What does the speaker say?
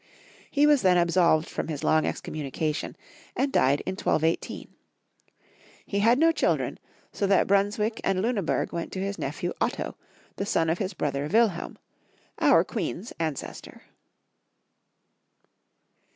He was then ab solved from liis long excommunication, and died in 1218. He had no children, so that Brunswick and Luneburg went to his nephew Otto, the son of his brother Wilhelm, our Queen's ancestor.